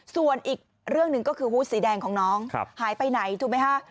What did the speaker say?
ส่วนอีกเรื่องหนึ่งก็คือฮูตสีแดงของน้องหายไปไหนถูกไหมฮะ